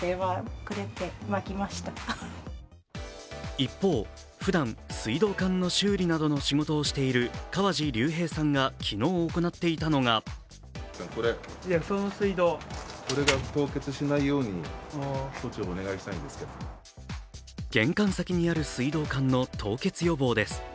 一方、ふだん水道管の修理などの仕事をしている河路隆平さんが昨日行っていたのが玄関先にある水道管の凍結予防です。